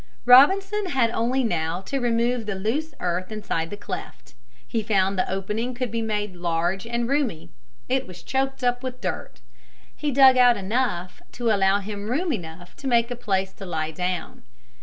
Robinson had only now to remove the loose earth inside the cleft. He found the opening could be made large and roomy. It was choked up with dirt. He dug out enough to allow him room enough to make a place to lie down.